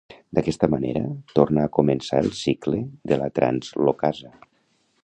D'aquesta manera, torna a començar el cicle de la translocasa.